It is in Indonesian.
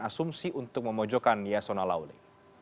asumsi untuk memojokkan yasona lawli